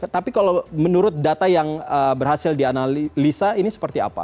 tapi kalau menurut data yang berhasil dianalisa ini seperti apa